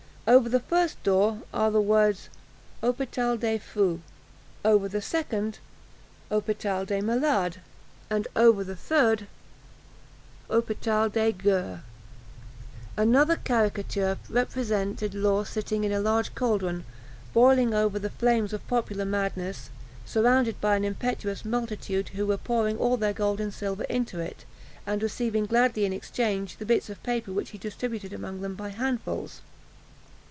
Over the first door are the words, 'Hôpital des Foux,' over the second, 'Hôpital des Malades,' and over the third, 'Hôpital des Gueux.'" Another caricature represented Law sitting in a large cauldron, boiling over the flames of popular madness, surrounded by an impetuous multitude, who were pouring all their gold and silver into it, and receiving gladly in exchange the bits of paper which he distributed among them by handfuls.